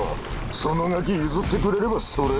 そのガキ譲ってくれればそれでいい。